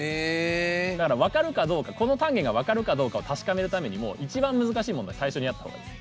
だから分かるかどうかこの単元が分かるかどうかも確かめるためにも一番難しい問題を最初にやったほうがいいです。